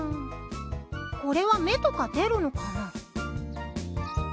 これは芽とか出るのかな？